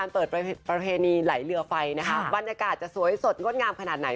เปิดประเพณีไหลเรือไฟนะคะบรรยากาศจะสวยสดงดงามขนาดไหน